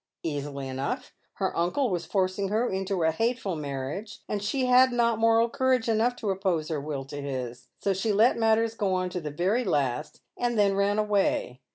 "" Easily enough. Her uncle was forcing her into a hateful marriage, and she had not moral courage enough to oppose her will to ids, so she let matters go on to the verj' last, and then ran away.